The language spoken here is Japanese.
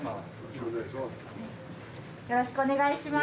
よろしくお願いします。